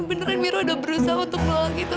beneran mira udah berusaha untuk menolak itu